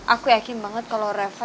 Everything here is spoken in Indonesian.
aku yakin banget kalau reva